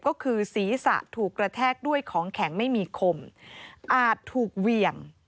ก็คือศีรษะถูกกระแทกด้วยของแข็งไม่มีคมอาจถูกเหวี่ยง